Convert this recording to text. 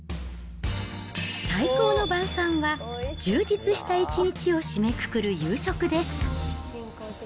最高の晩さんは、充実した１日を締めくくる夕食です。